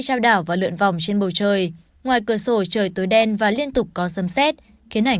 trao đảo và lượn vòng trên bầu trời ngoài cửa sổ trời tối đen và liên tục có sầm xét khiến